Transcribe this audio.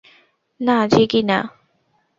না, জিগি না।